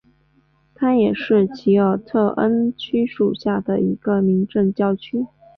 它也是奇尔特恩区属下的一个民政教区。